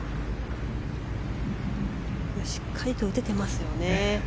しっかりと打ててますよね。